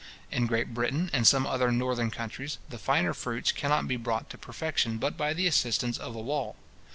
In Great Britain, and some other northern countries, the finer fruits cannot be brought to perfection but by the assistance of a wall.